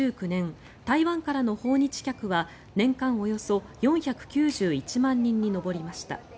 台湾からの訪日客は年間およそ４９１万人に上りました。